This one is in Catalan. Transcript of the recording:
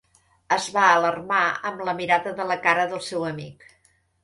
Es va alarmar amb la mirada de la cara del seu amic.